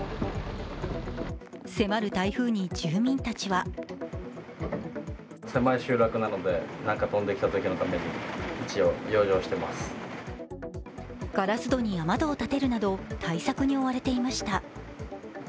迫る台風に住民たちはガラス戸に雨戸を立てるなど対策に追われていました。